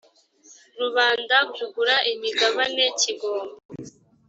rubanda kugura imigabane kigomba